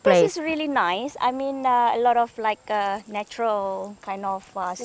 maksud saya ini tempat yang sangat bagus ini tempat yang sangat bagus